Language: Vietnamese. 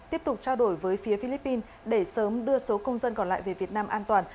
tiếp tục trao đổi với phía philippines để sớm đưa số công dân còn lại về việt nam an toàn